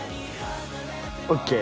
ＯＫ！